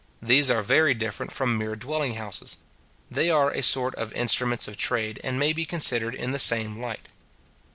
These are very different from mere dwelling houses. They are a sort of instruments of trade, and may be considered in the same light.